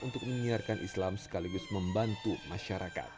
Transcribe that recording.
untuk menyiarkan islam sekaligus membantu masyarakat